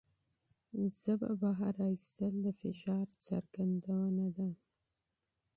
ژبه بهر ایستل د فشار څرګندونه ده.